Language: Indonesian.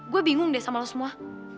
gue bingung deh sama lo semua